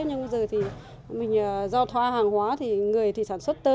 nhưng bây giờ thì mình giao thoa hàng hóa thì người thì sản xuất tơ